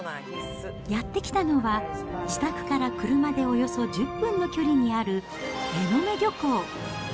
やって来たのは自宅から車でおよそ１０分の距離にある、えのめ漁港。